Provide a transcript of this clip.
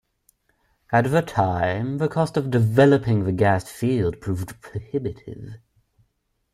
At the time, the cost of developing the gas field proved prohibitive.